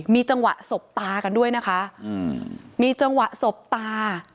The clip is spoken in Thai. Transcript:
มีจังหวะสบตากันด้วยนะคะอืมมีจังหวะสบตา